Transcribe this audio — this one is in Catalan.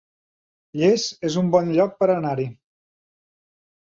Llers es un bon lloc per anar-hi